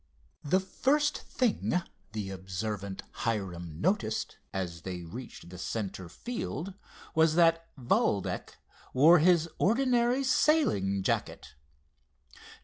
The first thing the observant Hiram noticed as they reached the center field was that Valdec wore his ordinary sailing jacket.